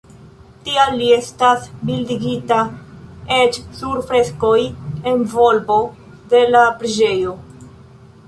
Tial li estas bildigita eĉ sur freskoj en volbo de la preĝejo.